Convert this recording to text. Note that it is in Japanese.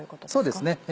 そうですね